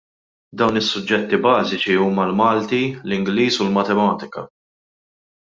Dawn is-suġġetti bażiċi huma l-Malti, l-Ingliż u l-Matematika.